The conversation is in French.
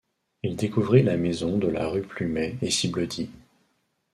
Il découvrit la maison de la rue Plumet et s’y blottit.